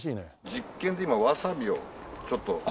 実験で今わさびをちょっと。